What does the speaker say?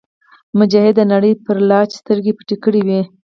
مجاهد د نړۍ پر لالچ سترګې پټې کړې وي.